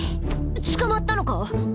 捕まったのか！？